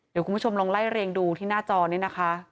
เดี๋ยวคุณผู้ชมลองไล่เรียงดูที่หน้าจอนี้นะคะ